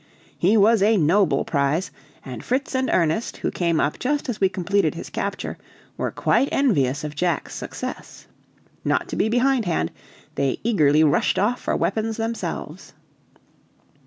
He was a noble prize, and Fritz and Ernest, who came up just as we completed his capture, were quite envious of Jack's success. Not to be behindhand, they eagerly rushed off for weapons themselves.